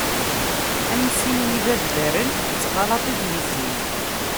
Am: sin n yibabdaren, d tɣalaṭ i d-yezzin.